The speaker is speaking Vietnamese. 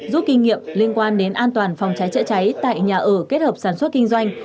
rút kinh nghiệm liên quan đến an toàn phòng cháy chữa cháy tại nhà ở kết hợp sản xuất kinh doanh